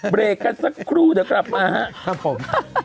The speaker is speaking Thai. เบรกกันสักครู่เดี๋ยวกลับมาครับผม